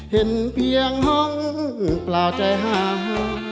เห็นเพียงห้องเปล่าใจหา